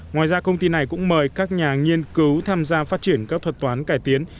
ngoài ra công ty này cũng mời các nhà nghiên cứu tham gia phát triển các thuật toán cải tiến